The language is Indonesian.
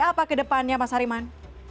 apa ke depannya mas hariman